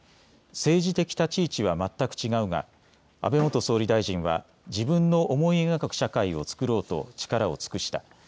政治的立ち位置は全く違うが安倍元総理大臣は自分の思い描く社会をつくろうと力を尽くした。